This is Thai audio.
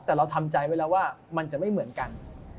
แต่เราทำใจไว้แล้วว่ามันจะไม่เหมือนกัน